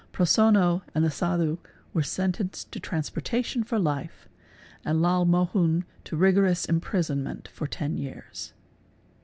Prosonno and the Sadhu were sentenced to transportation for life and Lal Mohun to rigorous imprisonment for ten years.